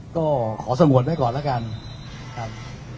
ก็ขอสงวนไว้ก่อนแล้วกันครับ